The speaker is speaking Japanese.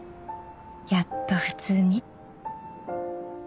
やっと普通に」